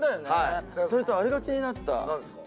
それと、あれが気になった。